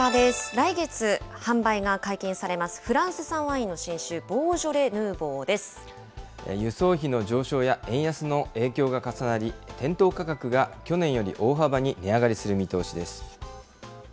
来月販売が解禁されます、フランス産ワインの新酒、輸送費の上昇や円安の影響が重なり、店頭価格が去年より大幅に値上がりする見通しです。